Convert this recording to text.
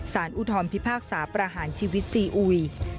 อุทธรพิพากษาประหารชีวิตซีอุย